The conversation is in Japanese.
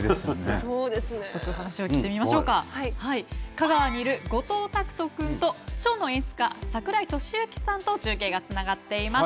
香川にいる後藤匠人くんとショーの演出家櫻井俊行さんと中継がつながっています。